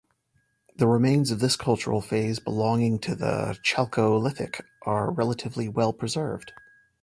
The remains of this cultural phase belonging to the Chalcolithic are relatively well preserved.